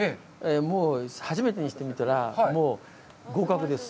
もう初めてにしてみたら、もう合格です。